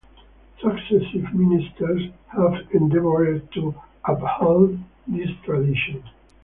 Successive ministers have endeavored to uphold this tradition.